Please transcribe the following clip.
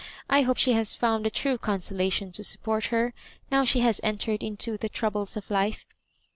I hope she has found the true consolation to support her, now she has entered into the troubles of life."